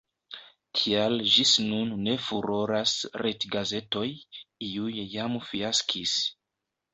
Tial ĝis nun ne furoras retgazetoj, iuj jam fiaskis.